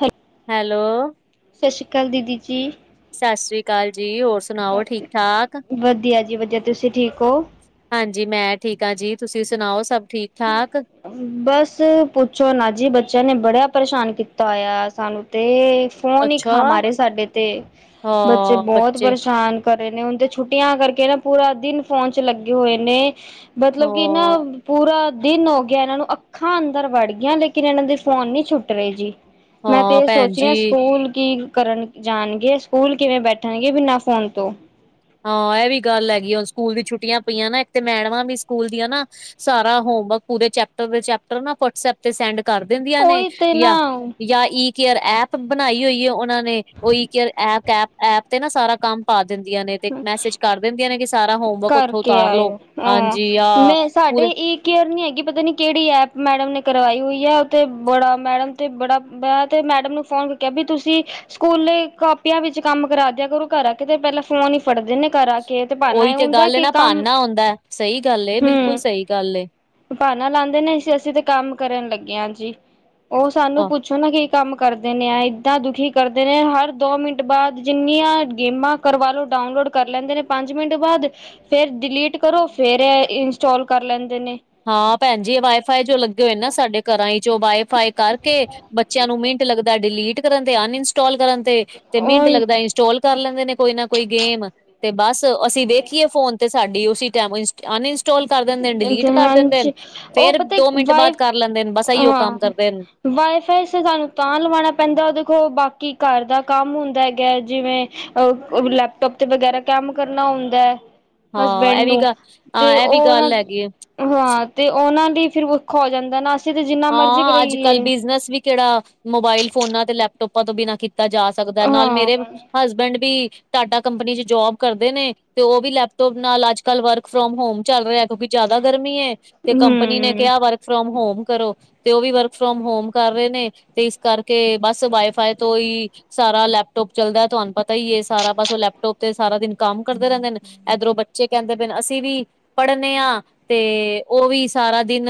ਹੈੋ। Hello. ਸਤਿ ਸ਼੍ਰੀ ਅਕਾਲ ਦੀਦੀ ਜੀ। ਸਤਿ ਸ੍ਰੀ ਅਕਾਲ ਜੀ ਹੋਰ ਸੁ ਵਧੀਆ ਜੀ ਵਧੀਆ ਤੁਸੀਂ ਠੀਕ ਹੋ। ਹਾਂਜੀ, ਮੈਂ ਠੀਕ ਆ ਜੀ, ਤੁਸੀਂ ਸੁਣਾਓ ਸਭ ਠੀਕ-ਠਾਕ। ਬਸ ਪੁੱਛੋ ਨਾ ਜੀ ਬੱਚਿਆਂ ਨੇ ਬੜਾ ਪਰੇਸ਼ਾਨ ਕੀਤਾ ਹੋਇਆ ਸਾਨੂੰ ਤੇ ਫੋਨ ਈ ਅੱਛਾ, ਖਾ ਮਾਰੇ ਸਾਡੇ ਤੇ ਬੱਚੇ ਹਾਂ ਬਹੁਤ ਬੱਚੇ, ਪਰੇਸ਼ਾਨ ਘਰੇ ਨੇ ਹੁਣ ਤੇ ਛੁੱਟੀਆਂ ਕਰਕੇ ਨਾ ਪੂਰਾ ਦਿਨ ਫੋਨ ਚ ਲੱਗੇ ਹੋਏ ਨੇ, ਮਤਲਬ ਕਿ ਨਾ ਹਾਂ, ਪੂਰਾ ਦਿਨ ਹੋ ਗਿਆ ਇਹਨਾਂ ਨੂੰ ਅੱਖਾਂ ਅੰਦਰ ਵੜ ਗਿਆਂ ਲੇਕਿਨ ਇਹਨਾਂ ਦੇ ਫੋਨ ਨਹੀਂ ਛੁੱਟ ਰਏ ਜੀ। ਮੈਂ ਤੇ ਹਾਂ ਇਹ ਭੈਣ ਸੋਚ ਜੀ ਰਿਆ ਸਕੂਲ ਕੀ ਕਰਨ ਜਾਣਗੇ ਸਕੂਲ ਕਿਵੇਂ ਬੈਠਣਗੇ ਬਿਨਾਂ ਫੋਨ ਤੋਂ। ਹਾਂ ਇਹ ਵੀ ਗੱਲ ਹੈਗੀ ਹੁ ਸਕੂਲ ਦੀ ਛੁੱਟੀਆਂ ਪਈਆਂ ਨਾ ਇੱਕ ਤੇ ਮੈਡਵਾਂ ਵੀ ਸਕੂਲ ਦੀਆਂ ਨਾ ਸਾਰਾ ਹੋਮਵਰਕ ਪੂਰੇ ਚੈਪਟਰ ਦੇ ਚੈਪਟਰ ਨਾ ਵਟਸ ਐਪ ਤੇ ਸੈਂਡ ਕਰ ਦਿੰਦੀਆਂ ਨੇ ਉਹੀ ਤੇ ਯਾ, ਨਾ ਯਾ ਈ ਕੇਅਰ ਐਪ ਬਣਾਈ ਹੋਈ ਏ ਉਹਨਾਂ ਨੇ ਨੇ ਉਹ ਈ ਕੇ ਐ ਐਪ ਤੇ ਨਾ ਸਾਰਾ ਕੰਮ ਪਾ ਦਿੰਦੀਆਂ ਨੇ। ਤੇ ਮੈਸੇਜ ਕਰ ਦਿੰਦੀਆਂ ਨੇ ਕਿ ਸਾਰਾ ਹੋਮਵਰਕ ਉੱਥੋਂ ਕਰਕੇ ਉਤਾਰ ਲੋ, ਆਇਓ ਹਾਂ ਹਾਂਜੀ ਆ ਮੈਂ ਸਾਡੇ ਪੂਰੇ ਈ ਕੇਅਰ ਨਹੀਂ ਹੈਗੀ ਪਤਾ ਨਹੀਂ ਕਿਹੜੀ ਐਪ ਮੈਡਮ ਨੇ ਕਰਵਾਈ ਹੋਈ ਹੈ, ਅਤੇ ਬੜਾ ਮੈਡਮ ਅਤੇ ਬੜਾ ਵੇ ਮੈਂ ਤੇ ਮੈਡਮ ਨੂ ਫ਼ੋਨ ਕਰਕੇ ਕਿਹਾ ਵੀ ਤੁਸੀਂ ਸਕੂਲੇ ਕਾਪੀਆਂ ਵਿੱਚ ਕੰਮ ਕਰਾ ਦਿਆ ਕਰੋ, ਘਰ ਆ ਕੇ ਤੇ ਪਹਿਲਾਂ ਫੋਨ ਹੀ ਫੜਦੇ ਨੇ ਘਰ ਆ ਕੇ। ਤੇ ਬਹਾਨਾ ਉਹੀ ਇਹ ਤੇ ਹੁੰਦਾ ਗੱਲ ਏ ਕਿ ਨਾ ਕੰਮ ਭਾਨਾ ਆਉਂਦਾ, ਸਹੀ ਗੱਲ ਏ ਬਿਲਕੁਲ ਸਹੀ ਗੱਲ ਏ। ਭਾਣਾ ਲਾਦੇ ਨੇ ਸੀ ਅਸੀਂ ਤੇ ਕੰਮ ਕਰਨ ਲੱਗੇ ਹਾਂ ਜੀ, ਉਹ ਸਾਨੂੰ ਹਾਂ ਪੁੱਛੋ ਨਾ ਕਿ ਕੰਮ ਕਰਦੇ ਨੇ ਆ ਇੱਦਾਂ ਦੁਖੀ ਕਰਦੇ ਨੇ, ਹਰ ਦੋ ਮਿੰਟ ਬਾਅਦ ਜਿੰਨੀਆਂ ਗੇਮਾਂ ਕਰਵਾ ਲਓ। ਡਾਊਨਲੋਡ ਕਰ ਲੈਂਦੇ ਨੇ ਪੰਜ ਮਿੰਟ ਬਾਅਦ ਫੇਰ ਡਿਲੀਟ ਕਰੋ ਫੇਰ ਇਹ ਇੰਸਟਾਲ ਕਰ ਲੈਂਦੇ ਨੇ। ਹਾਂ ਭੈਣਜੀ ਵਾਈ ਫਾਈ ਜੋ ਲੱਗੇ ਹੋਏ ਨਾ ਸਾਡੇ-। ਘਰਾਂ ਚੋਂ ਵਾਈ ਫਾਈ ਕਰਕੇ ਬੱਚਿਆਂ ਨੂੰ ਮਿੰਟ ਲੱਗਦਾ ਡਿਲੀਟ ਕਰਨ, ਤੇ ਅਨਇੰਸਟਾਲ ਕਰਨ ਤੇ। ਤੇ ਮਿੰਟ ਉਹੀ ਲੱਗਦਾ ਇੰਸਟਾਲ ਕਰ ਲੈਂਦੇ ਨੇ ਕੋਈ ਨਾ ਕੋਈ ਗੇਮ, ਤੇ ਬਸ ਅਸੀਂ ਵੇਖੀਏ ਫੋਨ। ਤੇ ਸਾਡੀ ਉਸੀ ਟਾਈਮ ਅਨਇੰਸਟਾਲ ਕਰ ਦਿੰਦੇ, ਡਿਲੀਟ ਕਰ ਦਿੰਦੇ ਨੇ ਹਾਂਜੀ ਉਹ ਫੇਰ ਪਤਾ ਦੋ ਮਿੰਟ ਵਾਈ ਬਾਅਦ ਕਰ ਲੈਂਦੇ ਨੇ, ਬਸ ਇਹੀ ਉਹ ਕੰਮ ਕਰਦੇ ਨੇ। ਵਾਈ ਫਾਈ ਤੇ ਸਾਨੂੰ ਤਾਂ ਲਵਾਉਣਾ ਪੈਂਦਾ ਦੇਖੋ ਬਾਕੀ ਘਰ ਦਾ ਕੰਮ ਹੁੰਦਾ ਹੈਗਾ, ਜਿਵੇਂ ਅ ਲੈਪਟੋਪ ਤੇ ਵਗੈਰਾ ਕੰਮ ਕਰਨਾ ਹੁੰਦਾ ਹੈ। ਹਾਂ ਹਸਬੈਂਡ ਇਹ ਵੀ ਨੂੰ ਗੱਲ ਹਾਂ ਤੇ ਇਹ ਵੀ ਉਹ ਨਾ ਗੱਲ ਹੈਗੀ ਆ। ਹਾਂ ਤੇ ਉਹਨਾਂ ਲਈ ਫਿਰ ਔਖਾ ਹੋ ਜਾਂਦਾ ਨਾ। ਅਸੀਂ ਤੇ ਜਿੰਨਾ ਮਰਜ਼ੀ ਹਾਂ ਅੱਜ ਕੱਲ੍ਹ ਕਰਾਈਏ ਬਿਜਨਸ ਵੀ ਕਿਹੜਾ ਮੋਬਾਇਲ ਫੋਨਾਂ ਤੇ ਲੈਪਟੋਪਾਂ ਤੋਂ ਬਿਨਾਂ ਕਿਤ ਕੀਤਾ ਜਾ ਸਕਦਾ ਨਾਲ ਹਾਂ ਮੇਰੇ ਹਸਬੈਂਡ ਵੀ ਟਾਟਾ ਕੰਪਨੀ 'ਚ ਜੋਬ ਕਰਦੇ ਨੇ, ਤੇ ਉਹ ਵੀ ਲੈਪਟੋਪ ਨਾਲ ਅੱਜ-ਕੱਲ ਵਰਕ ਫਰੋਮ ਹੋਮ ਚੱਲ ਰਿਹਾ, ਕਿਉਂਕਿ ਜ਼ਿਆਦਾ ਗਰਮੀ ਹੈ ਤੇ ਕੰਪਨੀ ਨੇ ਹਮ ਕਿਹਾ ਵਰਕ ਫਰੋਮ ਹੋਮ ਕਰੋ। ਤੇ ਉਹ ਵੀ ਵਰਕ ਫਰੋਮ ਹੋਮ ਕਰ ਰਹੇ ਨੇ, ਤੇ ਇਸ ਕਰਕੇ ਬਸ ਵਾਈ ਫਾਈ ਤੋਂ ਹੀ ਸਾਰਾ ਲੈਪਟੋਪ ਚੱਲਦਾ ਤੁਹਾਨੂੰ ਪਤਾ ਹੀ ਇਹ ਸਾਰਾ, ਬਸ ਉਹ ਲੈਪਟੋਪ ਤੇ ਸਾਰਾ ਦਿਨ ਕੰਮ ਕਰਦੇ ਰਹਿੰਦੇ ਨੇ। ਇਧਰੋਂ ਬੱਚੇ ਕਹਿੰਦੇ ਪੇ ਨੇ ਅਸੀਂ ਵੀ ਪੜ੍ਹਨੇ ਆ ਤੇ ਉਹ ਵੀ ਸਾਰਾ ਦਿਨ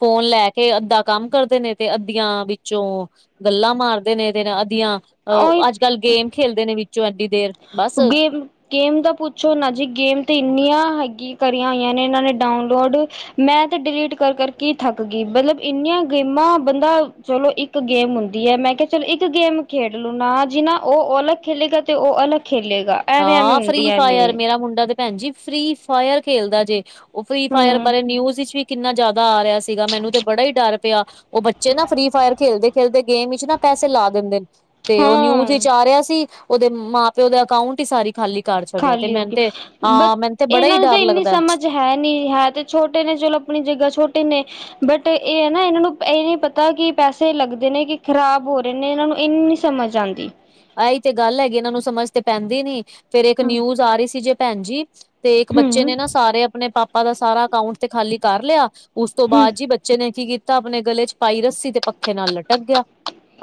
ਫੋਨ ਲੈ ਕੇ ਅੱਧਾ ਕੰਮ ਕਰਦੇ ਨੇ ਤੇ ਅੱਧੀਆਂ ਵਿੱਚੋਂ ਗੱਲਾਂ ਮਾਰਦੇ ਨੇ, ਤੇ ਅੱਧੀਆਂ ਉਹੀ ਹ ਅੱਜ ਕੱਲ੍ਹ ਗੇਮ ਖੇਲਦੇ ਨੇ ਵਿੱਚੋਂ ਐਡੀ ਦੇਰ। ਬਸ ਵੀ। ਗੇਮ ਦਾ ਪੁੱਛੋ ਨਾ ਜੀ ਗੇਮ ਤੇ ਇੰਨੀਆਂ ਹੈਗੀ ਕਰੀਆਂ ਹੋਈਆਂ ਨੇ ਇਹਨਾਂ ਨੇ ਡਾਊਨਲੋਡ। ਮੈਂ ਤੇ ਡਿਲੀਟ ਕਰ ਕਰਕੇ ਥੱਕ ਗਈ, ਮਤਲਬ ਇੰਨੀਆਂ ਗੇਮਾਂ, ਬੰਦਾ ਚਲੋ ਇੱਕ ਗੇਮ ਹੁੰਦੀ ਹੈ ਮੈਂ ਕਿਹਾ ਚਲੋ ਇੱਕ ਗੇਮ ਖੇਡ ਲੂੰ ਨਾ ਜਿਨਾ ਉਹ ਔਲਗ ਖੇਲੇਗਾ ਤੇ ਉਹ ਅਲੱਗ ਖੇਲੇੇਗਾ ਹਾਂ ਫਰੀ ਫਾਇਰ ਮੇਰਾ ਮੁੰਡਾ ਤੇ ਭੈਣਜੀ ਫਰੀ ਫਾਇਰ ਖੇਲਦਾ ਜੇ ਉਹ ਫਰੀ ਫਾਇਰ ਹੂੰ ਬਾਰੇ ਨਿਊਜ ਵਿਚ ਵੀ ਕਿੰਨਾ ਜ਼ਿਆਦਾ ਆ ਰਿਹਾ ਸੀ ਸੀਗਾ ਮੈਨੂੰ ਤੇ ਬੜਾ ਹੀ ਡਰ ਪਿਆ ਉਹ ਬੱਚੇ ਨਾ ਫਰੀ ਫਾਇਰ ਖੇਲਦੇ। ਖੇਲਦੇ ਗੇਮ ਵਿੱਚ ਨਾ ਪੈਸੇ ਲਾ ਦਿੰਦੇ ਨੇ ਤੇ ਉਹ ਨਿਊਜ਼। ਹਾਂ ਜਾ ਰਿਹਾ ਸੀ ਉਹਦੇ ਮਾਂ ਪਿਓ ਦੇ ਅਕਾਊਂਟ ਹੀ ਸਾਰੇ ਖਾਲੀ। ਘਰ ਛੱਡਿਆ ਤੇ ਖਾਲੀ ਹੋ ਮੈਨੂੰ ਗਈ ਤੇ ਬਟ ਹਾਂ ਮੈਨੂੰ ਤੇ ਬੜਾ ਇਹਨਾਂ ਹੀ ਨੂੰ ਤਾਂ ਡਰ ਇੰਨੀ ਲੱਗਦਾ। ਸਮਝ ਹੈ ਨਹੀਂੀ ਹੈ ਤੇ ਛੋਟੇ ਨੇ ਚਲੋ ਆਪਣੀ ਜਗ੍ਹਾ ਛੋਟੇ ਨੇ ਬਟ ਇਹ ਹੈ ਨਾ ਇਹਨਾਂ ਨੂੰ ਇਹ ਨਹੀਂ ਪਤਾ ਕਿ ਪੈਸੇ ਲੱਗਦੇ ਨੇ ਕਿ ਖ਼ਰਾਬ ਹੋ ਰਹੇ ਨੇ ਇਹਨਾਂ ਨੂੰ ਇੰਨੀ ਸਮਝ ਆਉਂਦੀ ਆਹੀ ਤੇ ਗੱਲ ਹੈਗੀ ਇਹਨਾਂ ਨੂੰ ਸਮਝ ਤੇ ਪੈਂਦੀ ਨੀ ਫੇਰ ਇੱਕ ਨਿਊਜ ਆ ਰਹੀ ਸੀ ਜੇ ਭੈਣ ਜੀ ਤੇ ਇੱਕ ਬੱਚੇ ਹਮ ਨੇ ਨਾ ਸਾਰੇ ਆਪਣੇ ਪਾਪਾ ਦਾ ਸਾਰਾ ਅਕਾਊਂਟ ਤੇ ਖਾਲੀ ਕਰ ਲਿਆ। ਉਸ ਤੋਂ ਹਮ ਬਾਅਦ ਜੀ ਬੱਚੇ ਨੇ ਕੀ ਕੀਤਾ, ਆਪਣੇ ਗਲੇ 'ਚ ਪਾਈ ਰੱਸੀ ਤੇ ਪ ਪੱਖੇ ਨਾਲ ਲਟਕ ਗਿਆ,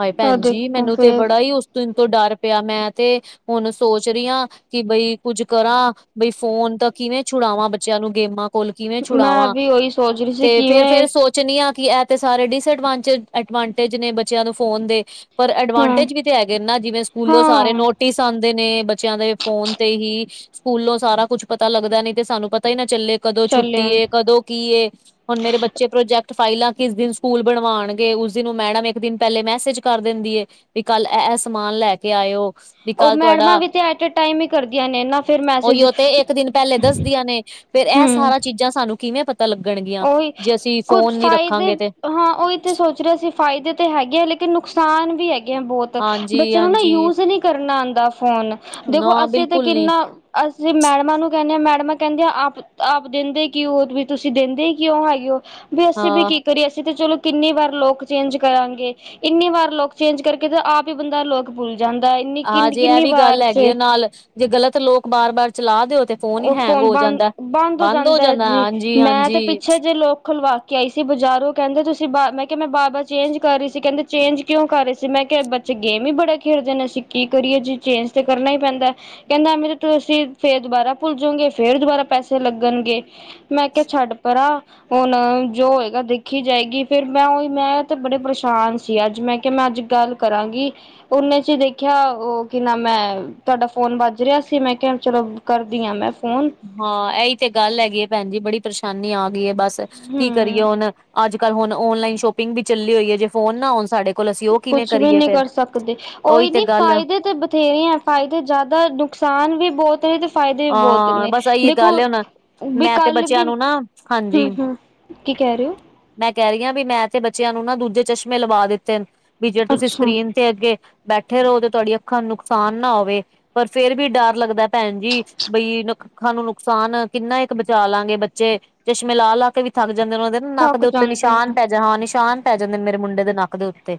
ਹਾਏ ਆ ਭੈਣ ਜੀ ਦੇਖੋ ਮੈਨੂੰ ਤੇ ਫੇਰ ਬੜਾ ਹੀ ਉਸ ਦਿਨ ਤੋਂ ਡਰ ਪਿਆ, ਮੈਂ ਤੇ ਹੁਣ ਸੋਚ ਰਹੀ ਹਾਂ। ਕਿ ਬਈ ਕੁੱਝ ਕਰਾਂ, ਬਈ ਫੋਨ ਤਾਂ ਕਿਵੇਂ ਛੁਡਾਵਾਂ ਬੱਚਿਆਂ ਨੂੰ, ਗੇਮਾਂ ਕੋਲ ਕਿਵੇਂ ਮੈਂ ਛੁਡਾਵਾਂ ਵੀ ਉਹੀ ਸੋਚ ਰਹੀ ਸੀ ਤੇ ਫੇਰ ਫੇਿਰ ਕਿਵੇਂ ਸੋਚ ਚੁਨੀਆਂ ਕਿ ਇਹ ਤੇ ਸਾਰੇ ਡਿਸਅਡਵਾਂਟ ਐਡਵਾਂਟੇਜ ਨੇ ਬੱਚਿਆਂ ਨੂੰ ਫੋਨ ਦੇ। ਪਰ ਹਮ ਐਡਵਾਂਟੇਜ ਵੀ ਤੇ ਹੈਗੇ ਨਾ ਜਿਵੇਂ ਸਕੂਲੋਂ ਸਾਰੇ ਹਾਂ ਨੋਟਿਸ ਆਉਂਦੇ ਨੇ ਬੱਚਿਆਂ ਦੇ ਫੋਨ ਤੇ ਹੀ। ਸਕੂਲੋਂ ਸਾਰਾ ਕੁੱਛ ਪਤਾ ਲੱਗਦਾ ਨੀ ਤੇ ਸਾਨੂੰ ਪਤਾ ਹੀ ਨਾ ਚੱਲੇ, ਕਦੋਂ ਚੱਲੇ ਛੁੱਟੀ ਏ, ਕਦੋਂ ਕੀ ਏ। ਹੁਣ ਮੇਰੇ ਬੱਚੇ ਪ੍ਰੋਜੈਕਟ ਫਾਈਲਾਂ ਕਿਸ ਦਿਨ ਸਕੂਲ ਬਣਵਾਉਣਗੇ ਉਸ ਦਿਨ ਉਹ ਮੈਡਮ ਇੱਕ ਦਿਨ ਪਹਿਲੇ ਮੈਸੇਜ। ਕਰ ਦਿੰਦੀ ਏ ਵੀ ਕੱਲ ਇਹ ਇਹ ਸਮਾਨ ਲੈ ਕੇ ਆਇਓ। ਵਿ ਉਹ ਕਲ ਮੈਡਮਾਂ ਤੁਹਾਡਾ ਵੀ ਤੇ ਐਟ ਏ ਟਾਈਮ ਹੀ ਕਰਦੀਆਂ ਨੇ ਨਾ ਫਿਰ ਮੈਸੇਜ ਉਹੀਓ ਤੇ ਇੱਕ ਦਿਨ ਪਹਿਲੇ ਦੱਸਦੀਆਂ ਨੇ। ਫੇਿਰ ਇਹ ਹਮ ਸਾਰਾ ਚੀਜ਼ਾਂ ਸਾਨੂੰ ਕਿਵੇਂ ਪਤਾ ਲੱਗਣਗੀਆਂ ਉਹੀ ਜੇ ਅਸੀਂ ਕੁਝ ਫੋਨ ਨੀ ਫਾਇਦੇ ਰੱਖਾਂਗੇ ਤੇ। ਹਾਂ ਉਹੀ ਸੋਚ ਰਹੇ ਸੀ ਫਾਇਦੇ ਤੇ ਹੈਗੇ ਆ ਲੇਕਿਨ ਨੁਕਸਾਨ ਵੀ ਹੈਗੇ ਆ ਬਹੁਤ ਬੱਚੇ ਨੂੰ ਨਾ ਹਾਂਜੀ-ਹਾਂਜੀ, ਯੂਜ ਨਹੀਂ। ਕਰਨਾ ਆਉਂਦਾ ਫੋਨ ਦੇਖੋ ਨਾ ਅਸੀਂ ਤਾਂ ਬਿਲਕੁਲ ਨੀ ਕਿੰਨਾ। ਅਸੀਂ ਮੈਡਮਾਂ ਨੂੰ ਕਹਿੰਦੇ ਹਾਂ ਮੈਡਮਾਂ ਕਹਿੰਦੀਆਂ ਆਪ ਆਪ ਦਿੰਦੇ ਕਿ ਉਹ ਵੀ ਤੁਸੀਂ ਦਿੰਦੇ। ਦਿੰਦੇ ਕਿਉਂ ਹੈਗੀ ਉਹ ਵੀ ਅਸੀਂ ਵੀ ਹਾਂ, ਕੀ ਕਰੀਏ ਅਸੀਂ ਤੇ ਚਲੋ ਕਿੰਨੀ ਵਾਰ ਲੋਕ ਚੇਂਜ ਕਰਾਂਗੇ। ਇੰਨੀ ਵਾਰ ਲੋਕ ਚੇਂਜ ਕਰਕੇ ਤਾਂ ਆਪ ਹੀ ਬੰਦਾ ਲੋਕ ਭੁੱਲ ਜਾਂਦਾ ਇੰਨੀ ਕਿੰਨੀ ਹਾਂਜੀ ਇਹ ਕਿੰਨੀ ਵੀ ਵਾਰ ਗੱਲ ਹੈਗੀ ਚ। ਆ ਨਾਲ ਜੇ ਗ਼ਲਤ ਲੋਕ ਬਾਰ ਬਾਰ ਚਲਾ ਦਿਓ ਤੇ। ਹੀ ਉਹ ਹੈਂਗ ਫੋਨ ਹੋ ਬੰਦ ਜਾਂਦਾ। ਬੰਦ ਹੋ ਜਾਂਦਾ ਜੀ ਮੈਂ ਤੇ ਹਾਂਜੀ-ਹਾਂਜੀ, ਪਿੱਛੇ ਜੇ ਲਾਕ। ਖੁਲਵਾ ਕੇ ਆਈ ਸੀ ਬਜ਼ਾਰੋਂ ਕਹਿੰਦੇ ਤੁਸੀਂ ਬਾਰ ਮੈਂ ਕਿਹਾ ਮੈਂ ਬਾਰ ਬਾਰ ਚੇਂਜ ਕਰ ਰਹੀ ਸੀ ਕਹਿੰਦੇ ਚੇਂਜ ਕਿਉਂ ਕਰ ਰਹੇ ਸੀ ਮੈਂ ਕਿਹਾ ਇਹ ਬੱਚੇ। ਗੇਮ ਹੀ ਬੜਾ ਖੇਡਦੇ ਨੇ ਅਸੀਂ ਕੀ ਕਰੀਏ ਜ ਚੇਂਜ ਤਾਂ ਕਰਨਾ ਹੀ ਪੈਂਦਾ। ਕਹਿੰਦਾ ਐਵੇਂ ਤੇ ਤੁਸੀ ਫੇਰ ਦੁਬਾਰਾ ਭੁੱਲ ਜਾਉਗੇ ਫੇਰ ਦੁਬਾਰਾ ਪੈਸੇ ਲੱਗਣਗੇ। ਮੈਂ ਕਿਹਾ ਛੱਡ ਪਰਾ। ਹੁਣ ਜੋ ਹੋਏਗਾ ਦੇਖੀ ਜਾਏਗੀ ਫੇਰ ਮੈਂ ਉਹੀ ਮੈਂ ਤੇ ਬੜੀ ਪਰੇਸ਼ਾਨ ਸੀ ਅੱਜ ਮੈਂ ਕਿਹਾ ਮੈਂ ਅੱਜ ਗੱਲ। ਕਰਾਂਗੀ। ਉਹਨੇ ਚ ਦੇਖਿਆ ਉਹ ਕੀ ਨਾਮ ਮੈਂ ਤੁਹਾਡਾ ਫੋਨ ਵੱਜ ਰਿਹਾ ਸੀ ਮੈਂ ਕਿਹਾ ਚਲੋ ਕਰ। ਕਰਦੀਆਂ ਮੈਂ ਫੋਨ। ਹਾਂ ਇਹੀ ਤੇ ਗੱਲ ਹੈਗੀ ਹੈ ਭੈਣ ਜੀ, ਬੜੀ ਪਰੇਸ਼ਾਨੀ ਆ ਗਈ ਹੈ ਬਸ ਕੀ। ਕਰੀਏ ਹਮ ਹੁਣ ਅੱਜ ਕੱਲ੍ਹ ਹੁਣ ਔਨਲਾਈਨ ਸ਼ੋਪਿੰਗ ਵੀ ਚੱਲੀ ਹੋਈ ਹੈ। ਜੇ ਫੋਨ ਨਾ ਹੋਣ ਸਾਡੇ ਕੋਲ ਅਸੀਂ ਉਹ। ਕਿਵੇਂ ਕੁਛ ਵੀ ਕਰੀਏ ਨਹੀਂ ਫੇਰ ਕਰ ਸਕਦੇ ਉਹੀ ਤੇ ਨੀ ਗੱਲ ਫਾਇਦੇ ਤੇ। ਬ੍ਥੇਰੇ ਹੈ ਫਾਇਦੇ ਜ਼ਿਆਦਾ ਨੁਕਸਾਨ ਵੀ ਬਹੁਤ ਨੇ ਤੇ ਫ਼ਾਇਦੇ ਵੀ ਬਹੁਤ ਹਾਂ ਨੇ ਬਸ ਇਹੀ ਦੇਖੋ। ਗੱਲ ਹੈ ਹੁਣ ਵੀ ਮੈਂ ਤੇ ਕੱਲ ਵੀ ਬੱਚਿਆਂ ਨੂੰ ਨਾ ਹਮ ਹਾਂਜੀ ਹਮ ਕੀ ਕਹਿ ਰਹੇ ਹੋ? ਮੈਂ ਕਹਿ ਰਹੀ ਹਾਂ ਵੀ ਮੈਂ ਤੇ ਬੱਚਿਆਂ ਨੂੰ ਨਾ ਦੂਜੇ ਚਸ਼ਮੇ ਲਵਾ ਦਿੱਤੇ ਬਈ ਜੇ ਤੁਸੀਂ ਅੱਛਾ ਸਕਰੀਨ। ਤੇ ਅੱਗੇ ਬੈਠੇ ਰਹੋ ਤੇ ਤੁਹਾਡੀਆਂ ਅੱਖਾਂ ਨੂੰ ਨੁਕਸਾਨ ਨਾ ਹੋਵੇ ਪਰ ਫੇਰ ਵੀ ਡਰ ਲੱਗਦਾ। ਭੈਣ ਜੀ। ਬਈ ਅੱਖਾਂ ਨੂੰ ਨੁਕਸਾਨ ਕਿੰਨਾ ਇੱਕ ਬਚਾ ਲਾਂਗੇ ਬੱਚੇ ਚਸ਼ਮੇ ਲਾ ਲਾ ਕੇ ਵੀ ਥੱਕ ਜਾਂਦੇ ਨੇ ਉਹਨਾਂ ਦੇ। ਨੱਕ ਥੱਕ ਦੇ ਉੱਤੇ ਜਾਂਦੇ ਨਿਸ਼ਾਨ ਨੇ ਪੈ ਜਾਂ ਹਾਂ ਨਿਸ਼ਾਨ ਪੈ ਜਾਂਦੇ ਨੇ ਮੇਰੇ ਮੁੰਡੇ ਦੇ ਨੱਕ ਦੇ ਉੱਤੇ।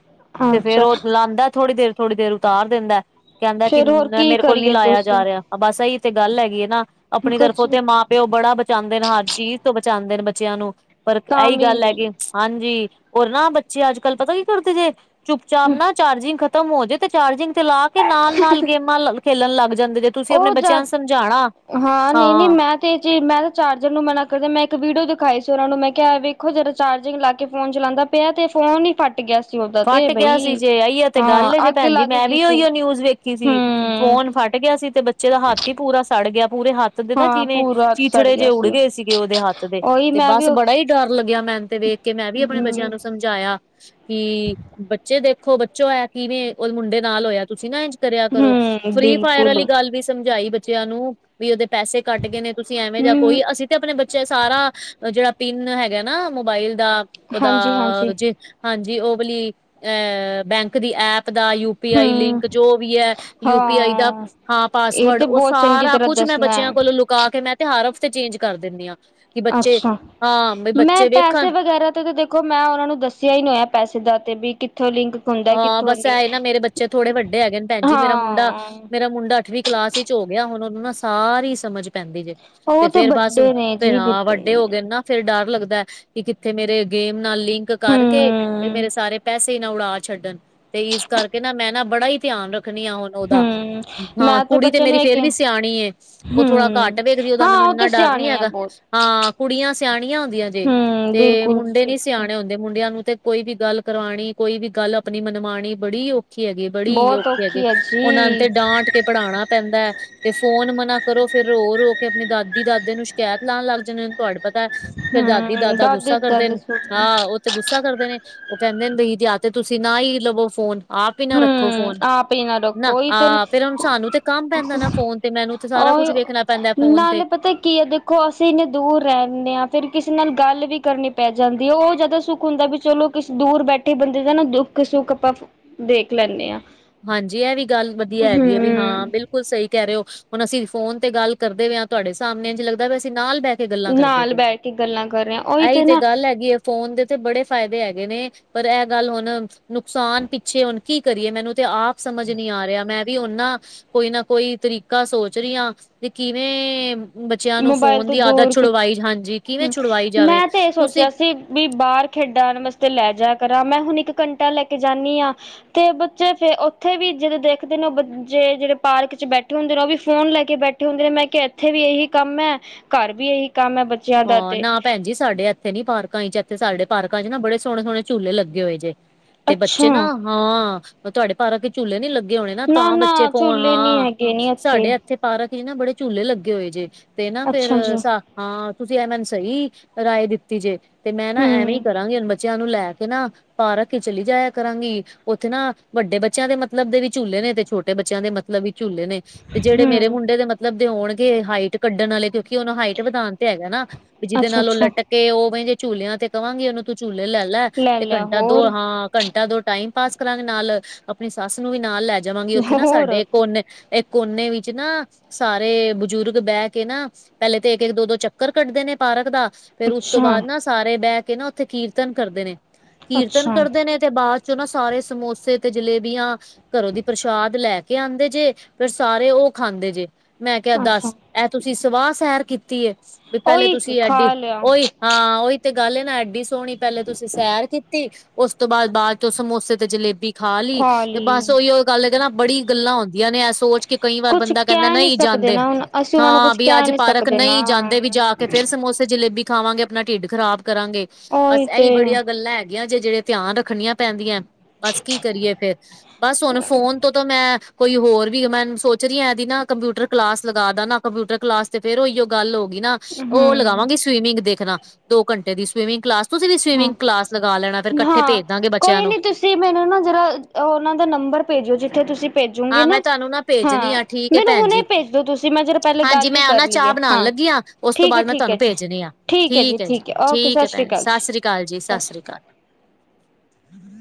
ਤੇ ਫੇਰ ਉਹ ਅੱਛਾ ਲਾਉਂਦਾ ਥੋੜ੍ਹੀ ਦੇਰ ਥੋੜ੍ਹੀ ਦੇਰ ਉਤਾਰ ਦਿੰਦਾ। ਕਹਿੰਦਾ ਕਿ ਫੇਰ ਹੋਰ ਕੀ ਮੇਰੇ ਕੋਲ ਨੀ ਕਰੀਏ ਲਾਇਆ ਦੱਸੋ ਜਾ ਰਿਹਾ ਬਸ ਇਹੀ ਤੇ ਗੱਲ ਹੈਗੀ ਹੈ ਨਾ ਆਪਣੀ ਕੁਛ ਤਰਫੋਂ ਤੇ ਮਾਂ। ਪਿਓ ਬੜਾ ਬਚਾਉਦੇ ਨੇ ਹਰ ਚੀਜ਼ ਤੋਂ ਬਚਾਉਂਦੇ ਨੇ ਬੱਚਿਆਂ ਨੂੰ ਪਰ ਤਾਂ ਇਹੀ ਵੀ ਗੱਲ ਹੈਗੀ। ਹਾਂਜੀ ਹੋਰ ਨਾ ਬੱਚੇ ਅੱਜ ਕੱਲ੍ਹ ਪਤਾ ਕੀ ਕਰਦੇ ਜੇ ਚੁੱਪ ਚਾਪ ਨਾ ਚਾਰਜਿੰਗ। ਖਤਮ ਹੋ ਜਾਏ ਤੇ ਚਾਰਜਿੰਗ ਤੇ ਲਾ ਕੇ ਨਾਲ ਨਾਲ ਗੇਮਾਂ ਖੇਲਣ ਲੱਗ ਜਾਂਦੇ ਜੇ ਤੁਸੀਂ ਆਪਣੇ। ਉਹ ਬੱਚਿਆਂ ਨੂੰ ਸਮਝਾਉਣਾ ਹਾਂ, ਨਹੀਂ, ਨਹੀਂ ਹਾਂ ਮੈਂ। ਤੇ ਜੇ ਮੈਂ ਚਾਰਜਰ ਨੂੰ ਮਨਾ ਕਰਦਾ ਮੈਂ ਇੱਕ ਵੀਡੀਓ ਦਿਖਾਈ ਸੀ ਉਹਨਾਂ ਨੂੰ ਮੈਂ ਕਿਹਾ ਵੇਖੋ ਜਦੋਂ ਚਾਰਜਿੰਗ ਲਾ ਕੇ ਫੋਨ ਚਲਾਉਂਦਾ। ਪਿਆ ਤੇ ਫੋਨ ਹੀ ਫੱਟ ਗਿਆ ਸੀ। ਉਹਦਾ ਤੇ ਫੱਟ ਗਿਆ ਸੀ ਬਈ ਜੇ ਇਹੀਏ ਤੇ ਹਾਂ ਗੱਲ ਜੇ ਅੱਗ ਭੈਣ ਜੀ ਲੱਗ ਮੈਂ ਗਈ ਵੀ ਸੀ ਉਹੀਓ ਨਿਊਜ਼ ਵੇਖੀ ਸੀ ਹਮ ਫੋਨ ਫਟ। ਫਟ ਗਿਆ ਸੀ ਤੇ ਬੱਚੇ ਦਾ ਹੱਥ ਹੀ ਪੂਰਾ ਸੜ ਗਿਆ ਪੂਰੇ ਹੱਥ। ਹੱਥ ਦੇ ਨਾ ਹਾਂ ਜਿਵੇਂ ਪੂਰਾ ਹੱਥ ਸੜ ਚੀਥੜੇ ਜਿਹੇ ਗਿਆ ਉੱਡ ਸੀ ਗਏ ਸੀਗੇ ਉਹਦੇ ਹੱਥ ਦੇ ਉਹੀ ਤੇ ਮੈਂ ਵੀ ਬਸ ਬੜਾ ਹੀ। ਡਰ ਲੱਗਿਆ ਮੈਨੂੰ ਤੇ ਵੇਖ ਕੇ ਮੈਂ ਵੀ ਆਪਣੇ ਬੱਚਿਆਂ ਹਮ ਨੂੰ ਸਮਝਾਇਆ ਕਿ। ਬੱਚੇ ਦੇਖੋ ਬੱਚੋ ਇਹ ਕਿਵੇਂ ਉਹ ਮੁੰਡੇ ਨਾਲ ਹੋਇਆ ਤੁਸੀਂ ਨਾ ਇੰਝ। ਕਰਿਆ ਕਰੋ ਹਮ ਫਰੀ ਫਾਇਰ ਵਾਲੀ ਬਿਲਕੁਲ ਗੱਲ ਵੀ ਸਮਝਾਈ ਬੱਚਿਆਂ ਨੂੰ। ਵੀ ਉਹਦੇ ਪੈਸੇ ਕੱਟ ਗਏ ਨੇ ਤੁਸੀਂ ਐਵੇਂ ਜਾ ਹਮ ਕੋਈ ਅਸੀਂ ਤੇ ਆਪਣੇ ਬੱਚੇ ਸਾਰਾ, ਜਿਹੜਾ ਪਿੰਨ ਹੈਗਾ ਨਾ, ਮੋਬਾਇਲ ਦਾ, ਹਾਂਜੀ ਓਦਾ ਹਾਂਜੀ ਜੇ ਹਾਂਜੀ। ਉਹ ਵਾਲੀ ਅਹ, ਬੈਂਕ ਦੀ ਐਪ ਦਾ, ਯੂ ਯ ਪੀ ਆਈ ਹਮ ਲਿੰਕ, ਜੋ ਵੀ ਹੈ ਯੂ ਪੀ ਆਈ ਦਾ ਹਾਂ ਹਾਂ, ਇਹ ਪਾਸਵਰਡ ਤੇ ਉਹ ਬਹੁਤ ਚੰਗੀ ਸਾਰਾ ਤਰ੍ਹਾਂ ਕੁਛ ਮੈਂ ਦੱਸਣਾ ਬੱਚਿਆਂ ਹੈ ਕੋਲੋਂ ਲੁਕਾ ਕੇ ਮੈਂ ਤੇ ਹਰ ਹਫ਼ਤੇ ਚੇਂਜ ਕਰ ਦਿੰਦੀ ਹਾਂ। ਕਿ ਬੱਚੇ ਅੱਛਾ। ਹਾਂ ਬਈ ਮੈਂ ਬੱਚੇ ਵੇਖਣ ਪੈਸੇ ਵਗੈਰਾ ਤੇ ਦੇਖੋ ਮੈਂ ਉਹਨਾਂ ਨੂੰ ਦੱਸਿਆ ਹੀ ਨਹੀਂ ਹੋਇਆ ਪੈਸੇ ਦਾ ਤੇ ਵੀ ਕਿੱਥੋਂ ਲਿੰਕਾ ਹਾਂ, ਬਸ ਹੈਏ ਨਾ ਮੇਰੇ ਬੱਚੇ ਥੋੜੇ ਵੱਡੇ ਹੈਗੇ ਨੇ ਭੈਣ ਜੀ ਮੇਰਾ ਮੁੰਡਾ ਹਾਂ ਮੇਰਾ ਮੁੰਡਾ ਅੱਠਵੀਂ ਕਲਾਸ ਵਿੱਚ ਹੋ ਗਿਆ। ਹੁਣ ਉਹਨਾਂ ਨਾ ਸਾਰੀ ਸਮਝ ਪੈਂਦੀ ਜੇ। ਉਹ ਤੇ ਫੇਰ ਬਸ ਵੱਡੇ ਨੇ ਜੀ ਭੈਣਾਂ -ਵੱਡੇ ਹੋ ਹੂੰ ਗਏ ਨਾ। ਫੇਰ ਡਰ ਲੱਗਦਾ। ਕਿ ਕਿੱਥੇ ਮੇਰੇ ਗੇਮ ਨਾਲ ਲਿੰਕ ਕਰਕੇ ਤੇ ਮੇਰੇ ਸਾਰੇ ਪੈਸੇ ਨਾਲ ਉਡਾ ਛੱਡਣ ਤੇ। ਤੇ ਨਾ ਇਸ ਕਰਕੇ ਨਾ ਮੈਂ ਨਾ ਬੜਾ ਹੀ ਧਿਆਨ ਰਖਣੀ ਆ ਹੁਣ ਉਹਦਾ। ਹੂੰ ਹਾਂ। ਮੈਂ ਕੁੜੀ ਤੇ ਬੱਚੇ ਮੇਰੀ ਨੂੰ ਫੇਰ ਇਹ ਵੀ ਸਿਆਣੀ ਉਹ ਥੋੜਾ ਘੱਟ ਹੂੰ ਵੇਖਦੀ ਉਹਦਾ ਹਾਂ ਮੈਨੂੰ ਉਹ ਤੇ ਇੰਨਾ ਡਰ ਨੀ ਸਿਆਣੇ ਆ ਹੈਗਾ। ਬਹੁਤ ਹਾਂ। ਕੁੜੀਆਂ ਸਿਆਣੀਆਂ ਹੁੰਦੀਆਂ ਜੇ ਹੂੰ ਤੇ ਬਿਲਕੁਲ ਮੁੰਡੇ ਮੁੰਡੇ ਨੀ ਬਿਲਕੁਲ ਸਿਆਣੇ ਹੁੰਦੇ। ਮੁੰਡਿਆਂ ਨੂੰ ਤੇ ਕੋਈ ਵੀ ਗੱਲ ਕਰਵਾਉਣੀ ਕੋਈ ਵੀ ਗੱਲ ਆਪਣੀ ਮਨਵਾਉਣੀ ਬੜੀ ਔਖੀ ਹੈਗੀ ਬੜੀ ਬਹੁਤ ਔਖੇ ਹੈਗੇ। ਔਖੀ ਹੈ ਉਹਨਾ ਜੀ ਤੇ ਡਾਂਟ ਕੇ ਪੜ੍ਹਾਉਣਾ ਪੈਂਦਾ। ਤੇ ਫੋਨ ਮਨਾ ਕਰੋ ਫੇਰ ਰੋ- ਰੋ ਕੇ ਆਪਣੇ ਦਾਦੀ -ਦਾਦੇ ਨੂੰ ਸ਼ਿਕਾਇਤ ਲਾਉਣ ਲੱਗ ਜਾਣੇ। ਤੁਹਾਡੇ ਪਤਾ। ਫੇਰ ਦਾਦੀ- ਹੂੰ ਦਾਦਾ ਦਾਦੀ ਗੁੱਸਾ ਕਰਦੇ ਦਾਦੀ ਨੇ ਹਾਂ। ਤੇ ਗੁੱਸਾ ਕਰਦੇ ਨੇ। ਉਹ ਕਹਿੰਦੇ ਨੇ ਬਈ ਜ ਆ ਤੇ ਤੁਸੀਂ ਨਾ ਹੀ ਲਵੋ ਫੋਨ। ਆਪ ਹੀ ਨਾ ਰੱਖੋ ਹੂੰ ਫੋਨ। ਆਪ ਹੀ ਨਾ ਰੱਖੋ ਉਹੀ ਤੇ ਆਹ ਫਿਰ ਹੁਣ ਸਾਨੂੰ ਤੇ ਕੰਮ ਪੈਂਦਾ ਨਾ ਫੋਨ। ਤੇ ਮੈਨੂੰ ਸਾਰਾ ਕੁਝ ਉਹੀ ਵੇਖਣਾ ਪੈਂਦਾ ਫੋਨ ਤੇ। ਨਾਲੇ ਪਤਾ ਕੀ ਹੈ ਦੇਖੋ, ਅਸੀਂ ਇੰਨੇ ਦੂਰ ਰਹਿੰਦੇ ਹਾਂ ਫਿਰ ਕਿਸੇ ਨਾਲ ਗੱਲ ਵੀ ਕਰਨੀ ਪੈ ਜਾਂਦੀ ਹੈ ਉਹ ਜ਼ਿਆਦਾ ਸੁੱਖ ਹੁੰਦਾ ਵੀ ਚਲੋ ਕੁਛ ਦੂਰ ਬੈਠੇ ਬੰਦੇ ਦਾ ਨਾ ਦੁੱਖ- ਸੁੱਖ ਆਪਾਂ ਦੇਖ ਲੈਂਦੇ ਹਾਂ। ਹਾਂਜੀ ਇਹ ਵੀ ਗੱਲ ਵਧੀਆ ਹੈਗੀ ਹੈ ਵੀ ਹਾਂ। ਹਮ ਬਿਲਕੁਲ ਬਿਲਕੁਲ ਸਹੀ ਕਹਿ ਰਹੇ ਹੋ। ਹੁਣ ਅਸੀਂ ਫੋਨ ਤੇ ਗੱਲ ਕਰਦੇ ਹੋ ਹਾਂ ਤੁਹਾਡੇ ਸਾਹਮਣੇ ਜੇ ਲੱਗਦਾ ਅਸੀਂ ਨਾਲ ਬਹਿਠ। ਗੱਲਾਂ ਕਰਦੇ ਨਾਲ ਪਏ। ਬੈਠ ਕੇ ਗੱਲਾਂ ਕਰ ਰਹੇ ਹਾਂ। ਉਹੀ ਇਹੀ ਤੇ ਨਾ ਗੱਲ ਹੈਗੀ। ਫੋਨ ਦੇ ਤੇ ਬੜੇ ਫਾਇਦੇ ਹੈਗੇ ਨੇ। ਪਰ ਇਹ ਗੱਲ ਹੁਣ, ਨੁਕਸਾਨ ਪਿੱਛੇ ਹੁਣ ਕੀ ਕਰੀਏ ਮੈਨੂੰ ਤੇ ਆਪ ਸਮਝ ਨੀ ਆ ਰਿਹਾ ਮੈਂ ਵੀ ਉਹਨਾਂ ਕੋਈ ਨਾ ਕੋਈ ਤਰੀਕਾ ਸੋਚ ਰਹੀਆਂ। ਵੀ ਕਿਵੇਂ ਬੱਚਿਆਂ ਨੂੰ ਮੋਬਾਇਲ ਫੋਨ ਤੋਂ ਦੀ ਆਦਤ ਦੂਰ ਕਿ ਛੁਡਵਾਈ ਹਾਂਜੀ, ਕਿਵੇਂ ਹੂੰ ਛੁਡਵਾਈ ਜਾਵੇ। ਮੈਂ ਤੇ ਇਹ ਤੁਸੀਂ ਸੋਚਿਆ ਸੀ ਵੀ ਬਾਹਰ ਖੇਡਣ ਵਾਸਤੇ ਲੈ ਜਾਇ ਕਰਾਂ। ਮੈਂ ਹੁਣ ਇੱਕ ਘੰਟਾ ਲੈ ਕੇ ਜਾਂਦੀ ਹਾਂ। ਤੇ ਬੱਚੇ ਫੇ ਉੱਥੇ ਵੀ ਜਦੋਂ ਦੇਖਦੇ ਨੇ ਬੱਚੇ ਜਿਹੜੇ ਪਾਰਕ ਚ' ਬੈਠੇ ਹੁੰਦੇ ਨੇ ਉਹ ਵੀ ਫੋਨ ਲੈ ਕੇ ਬੈਠੇ ਇਕੈਠੇ ਹੁੰਦੇ ਨੇ ਮੈਂ ਕਿਹਾ ਇੱਥੇ ਵੀ ਇਹੀ ਕੰਮ ਹੈ। ਘਰ ਵੀ ਇਹੀ ਕੰਮ ਹੈ ਬੱਚ ਹਾਂ, ਨਾ ਭੈਣਜੀ ਸਾਡੇ ਇੱਥੇ ਨੀ ਪਾਰਕਾਂ ਚ' ਇੱਥੇ ਸਾਡੇ ਪਾਰਕਾਂ ਚ' ਨਾ ਬੜੇ ਸੋਹਣੇ- ਸੋਹਣੇ ਝੂਲੇ ਲੱਗੇ ਹੋਏ ਜੇ। ਤੇ ਅੱਛਾ ਬੱਚੇ ਨਾ ਹਾਂ। ਤੁਹਾਡੇ ਪਾਰਾਂ ਕੇ ਚਝੁੇ ਨੀ ਲੱਗੇ। ਹੋਣੇ ਨਾ ਤਾਂ ਬੱਚੇ ਫੋਨ ਝੂਲੇ ਨੀ ਹਾਂ। ਹੈਗੇ ਨੀ ਸਾਡੇ ਇੱਥੇ ਪਾਰਕ ਜ ਨਾ ਬੜੇ ਝੂਲੇ ਲੱਗੇ ਹੋਏ ਜੇ ਤੇ ਨਾ ਫੇਰ ਅੱਛਾ ਜੀ ਸਾ ਹਾਂ। ਤੁਸੀਂ ਐ ਮੈਨੂੰ ਸਹੀ, ਰਾਏ ਦਿੱਤੀ ਜੇ ਤੇ ਮੈਂ ਨਾ ਐਵੇਂ ਹੀ ਹੂੰ ਕਰਾਂਗੀ। ਬੱਚਿਆਂ ਨੂੰ ਲੈ ਕੇ ਨਾ ਪਾਰਕ ਕੇ ਚਲੀ ਜਾਇਆ ਕਰਾਂਗੀ। ਉੱਥੇ ਨਾ ਵੱਡੇ ਬੱਚਿਆਂ ਦੇ ਮਤਲਬ ਦੇ ਵੀ ਝੂਲੇ ਨੇ ਤੇ ਛੋਟੇ ਬੱਚਿਆਂ ਦੇ ਮਤਲਬ ਮਤਲਬ ਵੀ ਝੂਲੇ ਨੇ। ਤੇ ਜਿਹੜੇ ਮੇਰੇੰ ਹੂੰ ਮੁੰਡੇ ਦੇ ਮਤਲਬ ਦੇ ਹੁਉਣਗੇ। ਹਾਈਟ ਕੱਢਣ ਵਾਲੇ ਕਿਉਂਕਿ ਉਹਨੂੰ ਹਾਈਟ ਵਧਾਉਣ ਤੇ ਹੈਗਾ ਨਾ। ਵੀ ਜਿਹਦੇ ਅੱਛਾ ਨਾਲ ਉਹ ਅੱਛਾ ਲੱਟਕੇ ਉਹ ਜੇ ਝੂਲਿਆਂ ਤੇ ਕਹਵਾਂਗੀ ਉਹਨੂੰ। ਤੂੰ ਚੂਲੇ ਲੈ ਲੈ। ਤੇ ਲਿਆ ਘੰਟਾ- ਹੋਰ ਦੋਲਾਂ ਘੰਟਾ ਦੋ ਟਾਈਮ ਪਾਸ ਕਰਾਂਗੇ ਨਾਲ ਆਪਣੀ ਸੱਸ ਨੂੰ ਵੀ ਨਾਲ ਲੈ ਜਾਵਾਂਗੇ ਉੱਥੇ ਨਾ ਹੋਰ ਸਾਡੇ ਇੱਕ ਉਹਨੇ ਕੋਨੇ ਵਿੱਚ ਨਾ ਸਾਰੇ ਬਜ਼ੁਰਗ ਬਹਿ ਕੇ ਨਾ ਪਹਿਲੇ ਤੇ ਇੱਕ ਇੱਕ ਦੋ ਦੋ ਚੱਕ ਚੱਕਰ ਕੱਢਦੇ ਨੇ ਪਾਰਕ ਦਾ। ਫੇਰ ਉਸ ਤੋਂ ਅੱਛਾ ਬਾਅਦ ਨਾ ਸਾਰੇ ਬਹਿ ਕੇ ਨਾ ਉੱਥੇ ਕੀਰਤਨ ਕਰਦੇ ਨੇ। ਕੀਰਤਨ ਅੱਛਾ ਕਰਦੇ ਨੇ ਤੇ ਬਾਅਦ ਚ' ਨਾ ਸਾਰੇ ਸਮੋਸੇ ਤੇ ਜਲੇਬੀਆਂ ਘਰੋਂ ਦੀ ਪ੍ਰਸ਼ਾਦ ਲੈ ਕੇ ਆਉਂਦੇ ਜੇ ਫਿਰ ਸਾਰੇ ਉਹ ਖਾਂਦੇ ਜੇ। ਮੈਂ ਕਿਹਾ ਅੱਛਾ ਦੱਸ। ਇਹ ਤੁਸੀਂ ਸਵਾਹ ਸੈਰ ਕੀਤੀ ਵੀ। ਪਹਿਲੇ ਉਹੀ ਤੁਸੀਂ ਐਡੀ ਖਾ ਲਿਆ ਓਹੀ ਹਾਂ, ਉਓਹੀ ਤੇ ਗੱਲ ਨਾ ਐਡੀ ਸੋਹਣੀ ਪਹਿਲੇ ਤੁਸੀਂ ਸੈਰ ਕੀਤੀ। ਉਸ ਤੋਂ ਬਾਅਦ ਬਾਅਦ ਚ' ਸਮੋਸੇ ਤੇ ਜਲੇਬੀ ਖਾ ਲਈ। ਤੇ ਬਸ ਉਹੀ ਉਹ ਗੱਲ ਕਹ ਨਾ ਬੜੀ ਗੱਲਾਂ ਹੁੰਦੀ ਨੇ ਇਹ ਸੋਚ ਕੇ ਕਈ ਵਾਰ ਕੁਛ ਬੰਦਾ ਕਹਿੰਦਾ ਕਹਿ ਨੀ ਨਹੀਂ ਸਕਦੇ ਜਾਂਦੇ। ਨਾ ਹੁਣ ਅਸੀਂ ਉਹਨਾਂ ਨੂੰ ਹਾਂ ਕੁਛ ਵੀ ਕਹਿ ਅੱਜ ਨੀ ਪਾਰਕ ਸਕਦੇ ਨਾ ਨਹੀਂ ਜਾਂਦੇ। ਤੇ ਵੀ ਜਾ ਕੇ ਫੇਿਰ ਸਮੋਸੇ ਜਲੇਬੀ ਖਾਵਾਂਗੇ ਆਪਣਾ ਢਿੱਡ ਖ਼ਰਾਬ ਕਰਾਂਗੇ ਉਹੀ ਬਸ ਇਹੀ ਤੇ ਬੜੀਆ ਗੱਲਾਂ ਹੈ ਜੇ ਜਿਹੜੇ ਧਿਆਨ ਰੱਖਣੀਆਂ ਪੈਂਦੀਆਂ ਬਸ ਕੀ ਕਰੀਏ ਫੇਰ ਬਸ ਹੁਣ ਫੋਨ ਤੋਂ ਤਾਂ ਮੈਂ ਕੋਈ ਹੋਰ ਵੀ ਮੈਂ ਸੋਚ ਰਹੀ ਐਦੀ ਨਾ ਕੰਪਿਊਟਰ ਕਲਾਸ ਲਗਾ ਦ ਨਾ ਕੰਪਿਊਟਰ ਕਲਾਸ ਤੇ ਫੇਰ ਉਹੀਓ ਗੱਲ ਹੋ ਨਾ ਉਹ ਹਮ ਲਗਾਵਾਂਗੇ ਸਵੀਮਿੰਗ ਦੇਖਣਾ ਦੋ ਘੰਟੇ ਦੀ ਸਵੀਮਿੰਗ ਕਲਾਸ ਤੁਸੀਂ ਵੀ ਹਾਂ ਸਵੀਮਿੰਗ ਕਲਾਸ ਲਗਾ ਲੈਣਾ ਫਿਰ ਇਕੱਠੇ ਭੇਜ ਦਾਂਗੇ ਬੱਚਿਆਂ ਨੂੰ ਸੀ ਮੈਨੂੰ ਨਾ ਜਿਹੜਾ ਉਹਨਾਂ ਦਾ ਨੰਬਰ ਭੇਜਿਓ ਜਿੱਥੇ ਤੁਸੀਂ ਭੇਜੂਗੀ ਹਾਂ ਮੈਂ ਨਾ ਤੁਹਾਨੂੰ ਭੇਜਣੀ ਹਾਂ ਆ ਠੀਕ ਹੈ ਮੈਨੂੰ ਭੈਣ ਜੀ ਹੁਣੇ ਭੇਜ ਦੋ ਤੁਸੀਂ ਮੈਂ ਜਰ ਪਹਿਲੇ ਹਾਂਜੀ ਗੱਲ ਹੀ ਮੈਂ ਉਹ ਕਰ ਨਾ ਲਈ ਚਾਹ ਹੈ ਬਣਾਉਣ ਹਾਂ ਲੱਗੀ ਉਸ ਤੋਂ ਠੀਕ ਹੈ ਬਾਅਦ ਮੈਂ ਠੀਕ ਹੈ ਤੁਹਾਨੂੰ ਜੀ ਭੇਜਣੀ ਆ ਠੀਕ ਹੈ ਜੀ ਠੀਕ ਹੈ ਓਕੇ ਸਤਿ ਸ਼੍ਰੀ ਅਕਾਲ ਜੀ ਕਾਲ ਜੀ ਸਤਿ ਸ਼੍ਰੀ ਅਕਾਲ ਹਮ